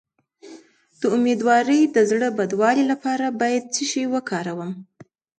د امیدوارۍ د زړه بدوالي لپاره باید څه شی وکاروم؟